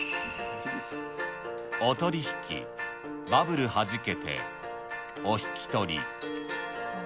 御取り引きバブルはじけてお引き取り。